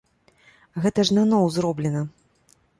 Гэта ж наноў зроблена.